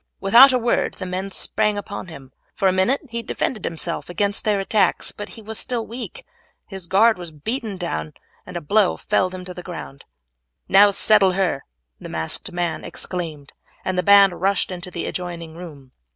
Without a word the men sprang upon him. For a minute he defended himself against their attacks, but he was still weak, his guard was beaten down, and a blow felled him to the ground. "Now settle her," the masked man exclaimed, and the band rushed into the adjoining room.